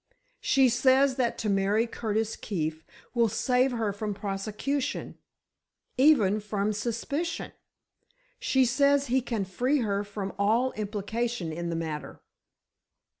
She says that to marry Curtis Keefe will save her from prosecution—even from suspicion. She says he can free her from all implication in the matter."